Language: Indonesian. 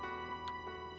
ini udah kaget